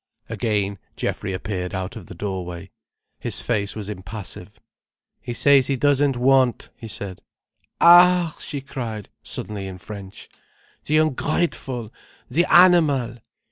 Again Geoffrey appeared out of the doorway. His face was impassive. "He says he doesn't want," he said. "Ah!" she cried suddenly in French, "the ungrateful, the animal!